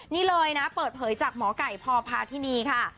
นี่เลยนะเปิดเผยจากหมอไก่พพาธินีค่ะ